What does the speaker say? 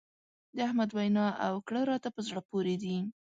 د احمد وينا او کړه راته په زړه پورې دي.